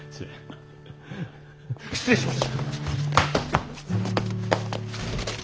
失礼します。